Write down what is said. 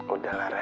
udah lah ref